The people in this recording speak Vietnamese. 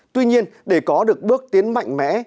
tuy nhiên để có được bước tiến mạnh mẽ